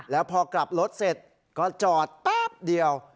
แล้วพอกลับรถเสร็จก็จอดแป๊บเดียว